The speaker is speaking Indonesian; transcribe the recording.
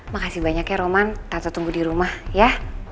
makasih banyak ya roman tanpa tunggu di rumah ya